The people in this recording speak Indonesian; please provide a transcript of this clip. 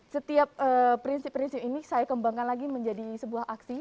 setiap prinsip prinsip ini saya kembangkan lagi menjadi sebuah aksi